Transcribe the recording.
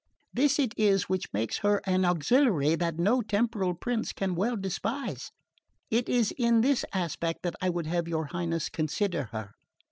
This it is which makes her an auxiliary that no temporal prince can well despise. It is in this aspect that I would have your Highness consider her.